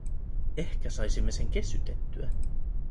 Ehkä saisimme sen kesytettyä.